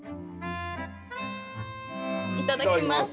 いただきます。